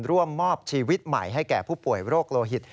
ร่วมมอบชีวิตใหม่ให้แก่ผู้ป่วยโรคโลหิต